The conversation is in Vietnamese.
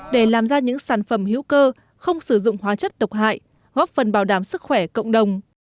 để làm ra những sản phẩm hữu cơ không sử dụng hóa chất độc hại góp phần bảo đảm sức khỏe cộng đồng